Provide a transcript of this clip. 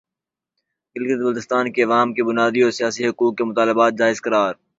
گلگت بلتستان کے عوام کے بنیادی اور سیاسی حقوق کے مطالبات جائز قرار